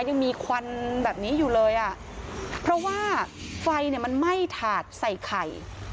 ยังมีควันแบบนี้อยู่เลยอ่ะเพราะว่าไฟเนี่ยมันไหม้ถาดใส่ไข่